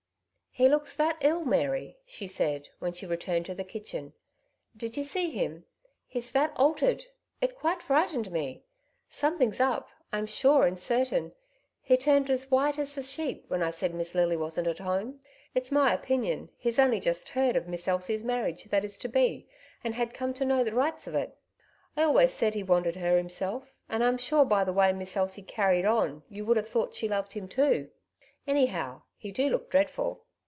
" He looks that ill, Mary/' she said, when she returned to the kitchen. " Did you see him ? He's that altered, it quite frightened nie. Something's up, I'm sure and certain. He turned as white as a sheet when I said Miss Lily wasn't at home. It's my opinion he's only just heard of Miss Elsie's marriage that is to be, and had come to know the rights of it. I always said he wanted her himself, and I'm sure by the way Miss Elsie carried on you would have thought she loved him too. Anyhow, he do look dreadful."